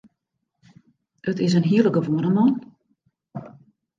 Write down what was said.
It is in hiele gewoane man.